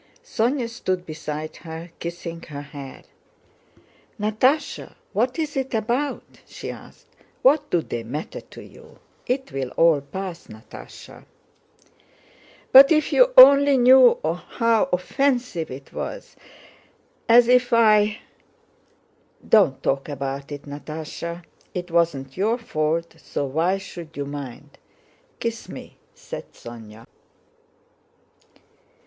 Sónya stood beside her, kissing her hair. "Natásha, what is it about?" she asked. "What do they matter to you? It will all pass, Natásha." "But if you only knew how offensive it was... as if I..." "Don't talk about it, Natásha. It wasn't your fault so why should you mind? Kiss me," said Sónya.